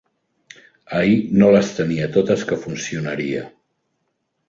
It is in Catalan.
Ahir no les tenia totes que funcionaria.